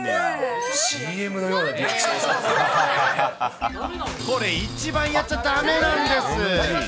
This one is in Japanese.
ＣＭのようなリアクションでこれ、一番やっちゃだめなんです。